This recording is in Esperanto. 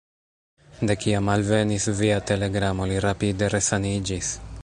De kiam alvenis via telegramo, li rapide resaniĝis.